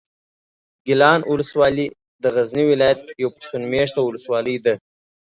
ګیلان اولسوالي د غزني ولایت یوه پښتون مېشته اولسوالي ده.